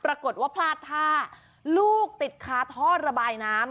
ปรากฏว่าพลาดท่าลูกติดคาท่อระบายน้ำ